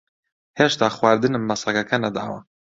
ھێشتا خواردنم بە سەگەکە نەداوە.